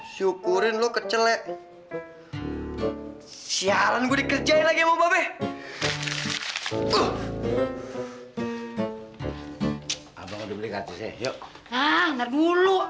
syukurin lo kecelet siaran gue kerjaan lagi mau